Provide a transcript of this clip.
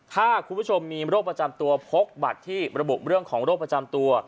ถ้าคุณผู้ชมมีโรคประจำตัวพกบัตรที่ระบุเรื่องของโรคประจำตัว